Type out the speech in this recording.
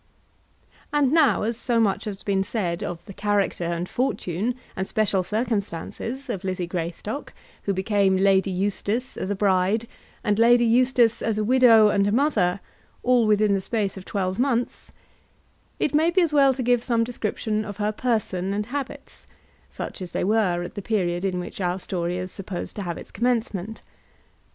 And now as so much has been said of the character and fortune and special circumstances of Lizzie Greystock, who became Lady Eustace as a bride, and Lady Eustace as a widow and a mother, all within the space of twelve months, it may be as well to give some description of her person and habits, such as they were at the period in which our story is supposed to have its commencement.